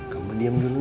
kamu diam dulunya